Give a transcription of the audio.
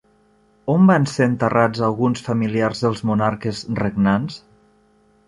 On van ser enterrats alguns familiars dels monarques regnants?